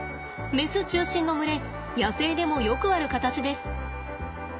メス中心の群れ野生でもよくある形です。